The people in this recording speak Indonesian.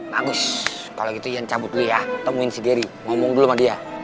bagus kalau gitu iyan cabut dulu ya temuin si geri ngomong dulu sama dia